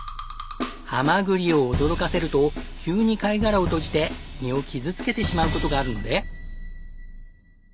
ハマグリを驚かせると急に貝殻を閉じて身を傷つけてしまう事があるので。